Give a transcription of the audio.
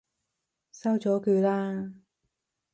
收咗佢啦！